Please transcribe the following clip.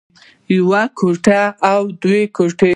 يوه ګوته او دوه ګوتې